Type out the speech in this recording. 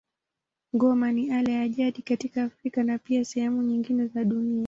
Ngoma ni ala ya jadi katika Afrika na pia sehemu nyingine za dunia.